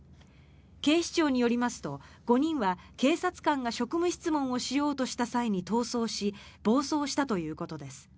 警視庁によりますと５人は、警察官が職務質問をしようとした際に逃走し暴走したということです。